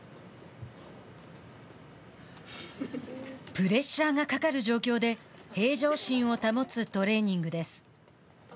プレッシャーがかかる状況で平常心を保つトレーニングです。